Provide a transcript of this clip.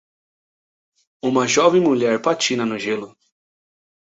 Uma jovem mulher patina no gelo.